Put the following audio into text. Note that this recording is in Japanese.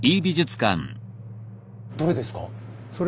どれですか？